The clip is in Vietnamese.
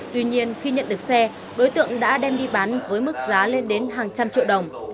tuy nhiên khi nhận được xe đối tượng đã đem đi bán với mức giá lên đến hàng trăm triệu đồng